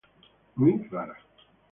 Muy rara.